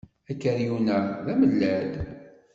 Akeryun-a d amellal.